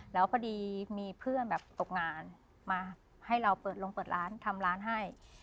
แล้วพอดีมีเพื่อนแบบตกงานมาให้เราเปิดลงเปิดร้านทำร้านให้